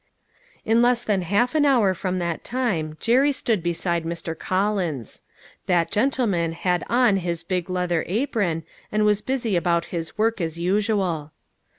In less than half an hour from that time Jerry stood beside Mr. Collins. That gentleman had on his big leather apron, and was busy about his work as usual.